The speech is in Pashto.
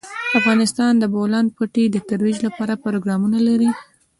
افغانستان د د بولان پټي د ترویج لپاره پروګرامونه لري.